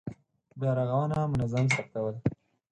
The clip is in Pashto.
بیا رغونه منظم ثبتول.